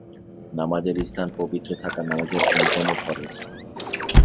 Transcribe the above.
নামাজের স্থান পবিত্র থাকা নামাজের অন্যতম ফরজ।